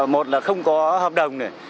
một là không có hợp đồng này